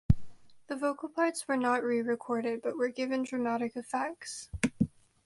The vocal parts were not re-recorded, but were given dramatic effects.